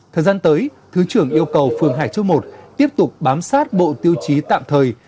thời gian tới thứ trưởng yêu cầu phường hải châu i tiếp tục bám sát bộ tiêu chí tạm thời